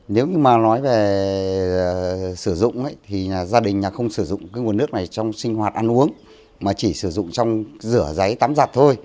nếu như mà nói về sử dụng thì gia đình không sử dụng cái nguồn nước này trong sinh hoạt ăn uống mà chỉ sử dụng trong rửa giấy tắm giặt thôi